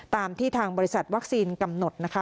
ตามที่ทางบริษัทวัคซีนกำหนดนะคะ